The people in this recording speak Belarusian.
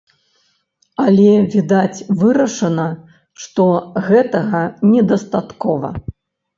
Але, відаць, вырашана, што гэтага недастаткова.